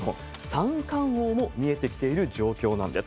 三冠王も見えてきている状況なんです。